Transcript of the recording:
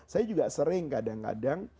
saya juga sering kadang kadang